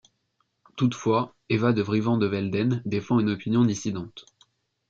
Toutefois, Eva de Vries-Van de Velden défend une opinion dissidente.